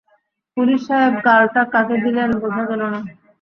Police সাহেব গালটা কাকে দিলেন, বোঝা গেল না।